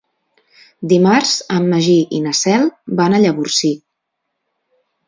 Dimarts en Magí i na Cel van a Llavorsí.